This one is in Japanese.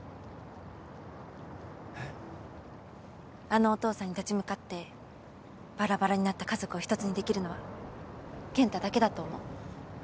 あのお父さんに立ち向かってバラバラになった家族を一つにできるのは健太だけだと思う。